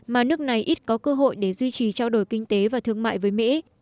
mà nước này ít có cơ hội để duy trì trao đổi kinh tế và thương mại với mỹ